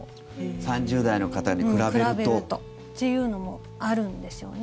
３０代の方に比べると。っていうのもあるんですよね。